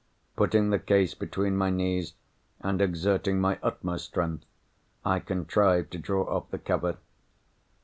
Putting the case between my knees and exerting my utmost strength, I contrived to draw off the cover.